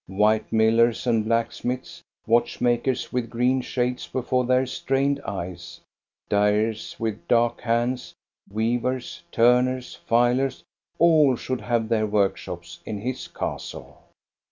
White millers and blacksmiths, watchmakers with green shades before their strained eyes, dyers with dark hands, weavers, turners, filers, — all should have their workshops in his castle.